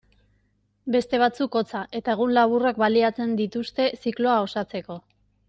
Beste batzuk, hotza eta egun laburrak baliatzen dituzte zikloa osatzeko.